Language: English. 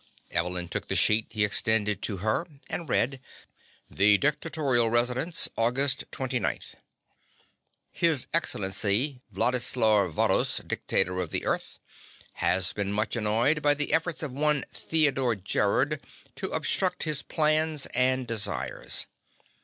Evelyn took the sheet he extended to her, and read: THE DICTATORIAL RESIDENCE, August 29th. His Excellency Wladislaw Varrhus, dictator of the earth, has been much annoyed by the efforts of one Theodore Gerrod to obstruct his plans and desires.